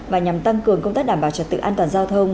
và nhằm tăng cường công tác đảm bảo trật tự an toàn giao thông